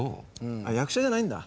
あっ役者じゃないんだ。